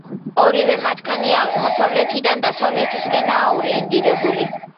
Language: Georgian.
ორივე მათგანი აღმოსავლეთიდან დასავლეთისკენაა ორიენტირებული.